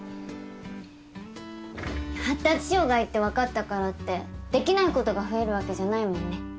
発達障害って分かったからってできないことが増えるわけじゃないもんね。